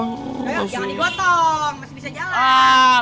jangan dibotong masih bisa jalan